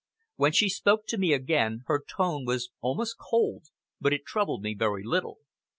When she spoke to me again, her tone was almost cold, but it troubled me very little.